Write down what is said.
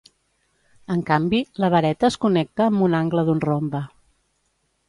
En canvi, la vareta es connecta amb un angle d'un rombe.